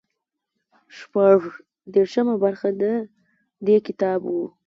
شپږ دېرشمه برخه د دې کتاب وو.